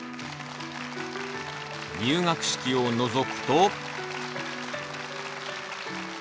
入学式をのぞくと。